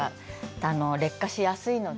劣化しやすいので。